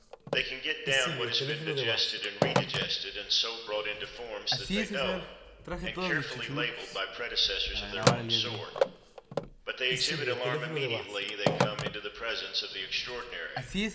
They can get down what has been digested and redigested, and so brought into forms that they know, and carefully labeled by predecessors of their own sort—but they exhibit alarm immediately they come into the presence of the extraordinary.